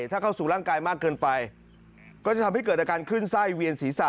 ถ้าเข้าสู่ร่างกายมากเกินไปก็จะทำให้เกิดอาการขึ้นไส้เวียนศีรษะ